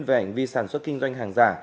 về ảnh vi sản xuất kinh doanh hàng giả